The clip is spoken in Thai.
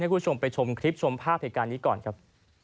คุณผู้ชมไปชมคลิปชมภาพเหตุการณ์นี้ก่อนครับ